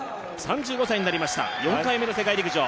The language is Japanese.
２５歳になりました、４度目の世界陸上。